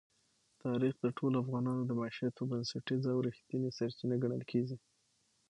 تاریخ د ټولو افغانانو د معیشت یوه بنسټیزه او رښتینې سرچینه ګڼل کېږي.